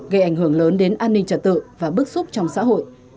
gây ảnh hưởng lớn đến an ninh trật tự và bức xúc trong xã hội